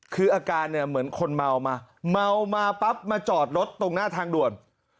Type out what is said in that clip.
คืออาการเนี่ยเหมือนคนเมามาเมามาปั๊บมาจอดรถตรงหน้าทางด่วน